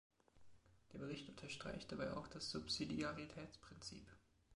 Der Bericht unterstreicht dabei auch das Subsidiaritätsprinzip.